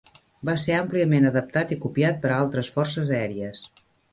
Va ser àmpliament adaptat i copiat per a altres forces aèries.